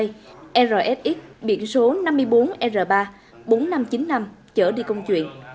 tài nhờ diễm vi điều khiển xe gắn máy hiệu quê rsx biển số năm mươi bốn r ba bốn nghìn năm trăm chín mươi năm chở đi công chuyện